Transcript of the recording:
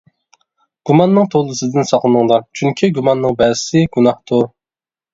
گۇماننىڭ تولىسىدىن ساقلىنىڭلار، چۈنكى گۇماننىڭ بەزىسى گۇناھتۇر.